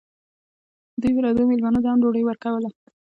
دوی پردو مېلمنو ته هم ډوډۍ ورکوله.